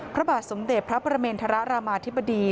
พระบาทสมเด็จพระประเมนทรรามาธิบดี